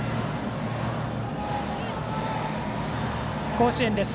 甲子園です。